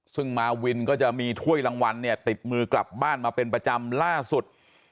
ซึ่งมาวินก็จะมีถ้วยรางวัลเนี่ยติดมือกลับบ้านมาเป็นประจำล่าสุด